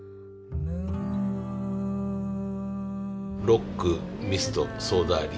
ロックミストソーダ割り。